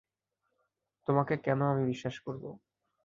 তোমাকে কেন আমি বিশ্বাস করব?